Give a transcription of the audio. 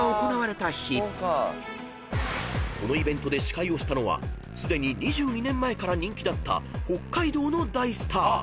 ［このイベントで司会をしたのはすでに２２年前から人気だった北海道の大スター］